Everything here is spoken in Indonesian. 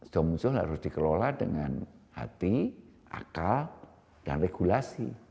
jomjoh harus dikelola dengan hati akal dan regulasi